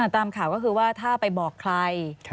ตามข่าวก็คือว่าถ้าไปบอกใคร